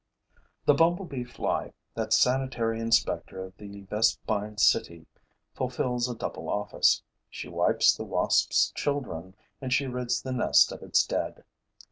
The bumblebee fly, that sanitary inspector of the Vespine city, fulfils a double office: she wipes the wasp's children and she rids the nest of its dead.